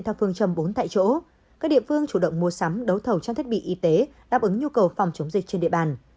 theo phương châm bốn tại chỗ các địa phương chủ động mua sắm đấu thầu trang thiết bị y tế đáp ứng nhu cầu phòng chống dịch trên địa bàn